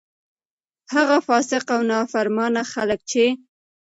هغه فاسق او نا فرمانه خلک چې: